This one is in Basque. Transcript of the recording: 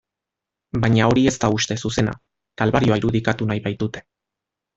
Baina hori ez da uste zuzena, kalbarioa irudikatu nahi baitute.